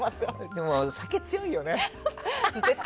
でも、酒強いよね。